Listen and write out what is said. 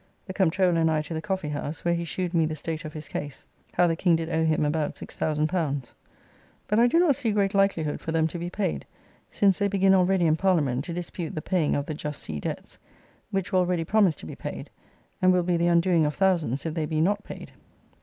The Comptroller and I to the coffee house, where he shewed me the state of his case; how the King did owe him about L6000. But I do not see great likelihood for them to be paid, since they begin already in Parliament to dispute the paying of the just sea debts, which were already promised to be paid, and will be the undoing of thousands if they be not paid.